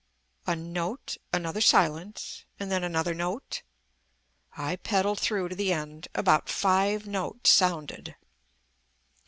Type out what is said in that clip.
A note ... another silence ... and then another note.... I pedalled through to the end. About five notes sounded.